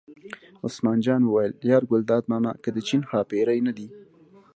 عثمان جان وویل: یار ګلداد ماما که د چین ښاپېرۍ نه دي.